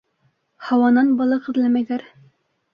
Һауанан балыҡ эҙләмәйҙәр.